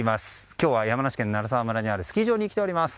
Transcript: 今日は山梨県鳴沢村にあるスキー場に来ております。